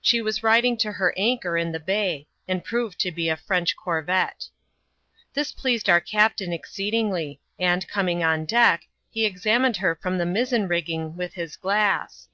She was riding to her anchor in the bay, and proved to be a French corvette. This pleased our captain exceedingly, and, coming on deck, he examined her from the mizen rigging with his glass.